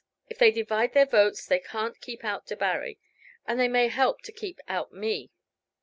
If they divide their votes they can't keep out Debarry, and they may help to keep out me.